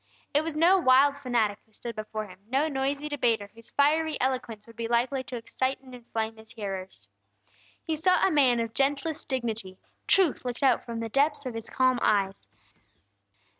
It was no wild fanatic who stood before him, no noisy debater whose fiery eloquence would be likely to excite and inflame His hearers. He saw a man of gentlest dignity; truth looked out from the depths of His calm eyes.